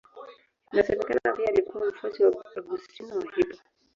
Inasemekana pia alikuwa mfuasi wa Augustino wa Hippo.